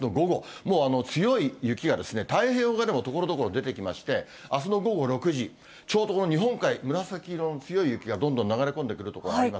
もう強い雪が太平洋側にも、ところどころ出てきまして、あすの午後６時、ちょうどこの日本海、紫色の強い雪がどんどん流れ込んでくる所があります。